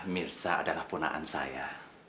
mirza adalah ponaan saya